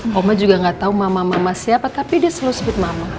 homa juga gak tahu mama mama siapa tapi dia selalu sebut mama